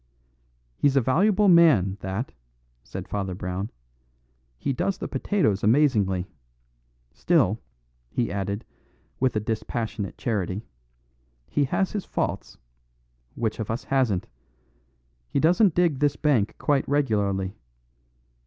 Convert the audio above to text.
"He's a valuable man, that," said Father Brown. "He does the potatoes amazingly. Still," he added, with a dispassionate charity, "he has his faults; which of us hasn't? He doesn't dig this bank quite regularly.